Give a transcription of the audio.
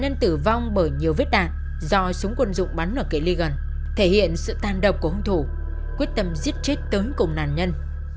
nhân tử vong bởi nhiều vết đạn do súng quân dụng bắn ở kỳ lê gần thể hiện sự tan độc của ông thủ quyết tâm giết chết tới cùng nạn nhân